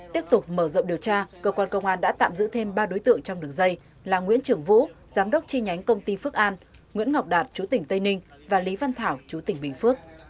tiếp tục mở rộng điều tra cơ quan công an đã tạm giữ thêm ba đối tượng trong đường dây là nguyễn trưởng vũ giám đốc chi nhánh công ty phước an nguyễn ngọc đạt chủ tỉnh tây ninh và lý văn thảo chú tỉnh bình phước